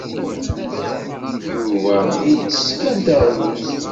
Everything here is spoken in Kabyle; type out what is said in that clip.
Yuba ittess kan taɣlust.